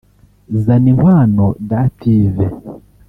Zaninkwano Dative